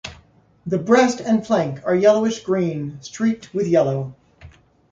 The breast and flank are yellowish-green streaked with yellow.